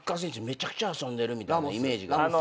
めちゃくちゃ遊んでるみたいなイメージがあって。